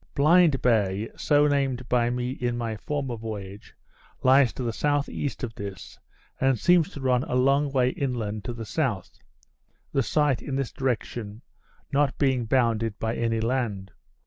Blind Bay, so named by me in my former voyage, lies to the S.E. of this, and seems to run a long way inland to the south; the sight, in this direction, not being bounded by any land.